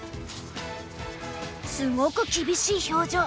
すごく厳しい表情。